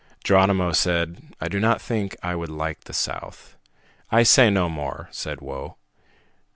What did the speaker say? Geronimo said, "I do not think I would like the south." "I say no more," said Whoa.